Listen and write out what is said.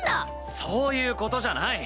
そういう事じゃない！